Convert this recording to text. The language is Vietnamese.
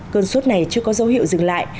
cơn suốt này chưa có dấu hiệu dừng lại